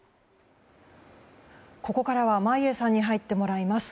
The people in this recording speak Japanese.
ここからは眞家さんに入ってもらいます。